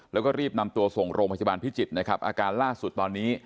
แล้วก็รีบนำตัวส่งโรงพยาบาลพิจิตรนะครับอาการล่าสุดตอนนี้